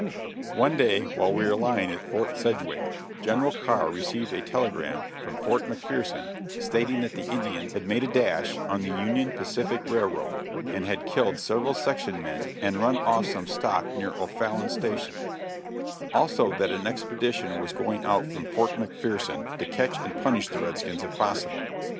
One day, while we were lying at Fort Sedgwick, General Carr received a telegram from Fort McPherson stating that the Indians had made a dash on the Union Pacific Railroad, and had killed several section men and run off some stock near O'Fallon's Station; also that an expedition was going out from Fort McPherson to catch and punish the red skins if possible.